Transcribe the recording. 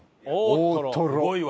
大トロ。